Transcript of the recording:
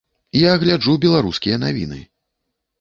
Я гляджу беларускія навіны.